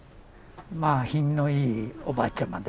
まぁ品のいいおばちゃまで。